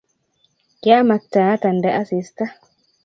kiamaktaat andee asista